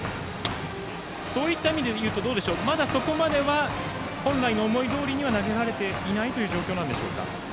そういった意味でいうとまだそこまでは本来の思いどおりには投げられていない状況でしょうか。